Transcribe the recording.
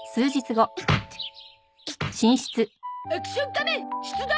アクション仮面出動！